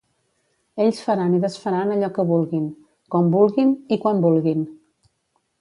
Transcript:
Ells faran i desfaran allò que vulguin, com vulguin i quan vulguin.